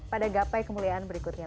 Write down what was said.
pada gapai kemuliaan berikutnya